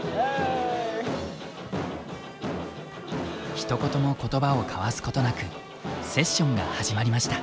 ひと言も言葉を交わすことなくセッションが始まりました。